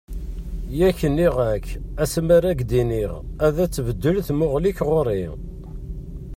Yak nniɣ-ak-d asma ara ak-d-iniɣ ad tbeddel tmuɣli-k ɣur-i.